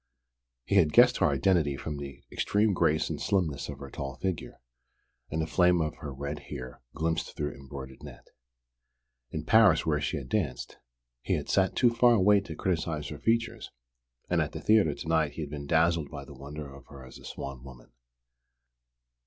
He had guessed her identity from the extreme grace and slimness of her tall figure, and the flame of her red hair glimpsed through embroidered net. In Paris, where she had danced, he had sat too far away to criticise her features, and at the theatre to night he'd been dazzled by the wonder of her as a swan woman.